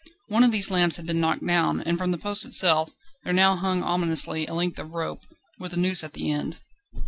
One of these lamps had been knocked down, and from the post itself there now hung ominously a length of rope, with a noose at the end.